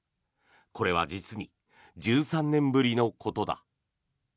これは実に１３年ぶりのことだ。